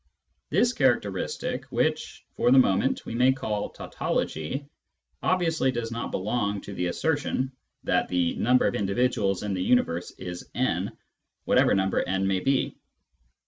This character istic, which, for the moment, we may call tautology, obviously does not belong to the assertion that the number of individuals in the universe is n, whatever number n may be.